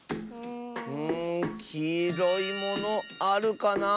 んきいろいものあるかなあ。